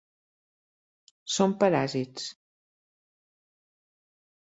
Són paràsits.